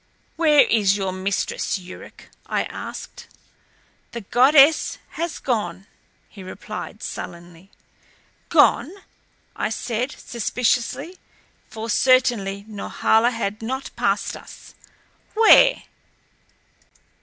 "Where is your mistress, Yuruk?" I asked. "The goddess has gone," he replied sullenly. "Gone?" I said suspiciously, for certainly Norhala had not passed us. "Where?"